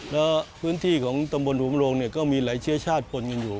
แล้วพื้นที่ของตำบลหุมโรงเนี่ยก็มีหลายเชื้อชาติพลกันอยู่